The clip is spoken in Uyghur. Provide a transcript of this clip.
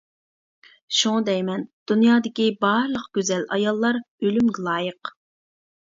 شۇڭا دەيمەن: دۇنيادىكى بارلىق گۈزەل ئاياللار ئۆلۈمگە لايىق!